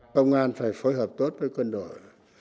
công an phải phối hợp tốt với quân đội